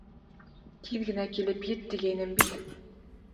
Тиҙ генә килеп ет тигәйнем бит!